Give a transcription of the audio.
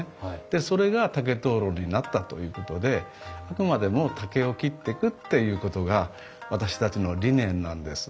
でそれが竹灯籠になったということであくまでも竹を切ってくっていうことが私たちの理念なんです。